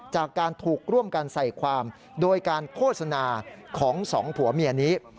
จากการถูกร่วมกันใส่ความโดยการโฆษณาของสองผัวเมียนี้